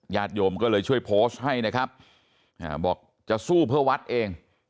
ญาติโยมก็เลยช่วยโพสต์ให้นะครับบอกจะสู้เพื่อวัดเอง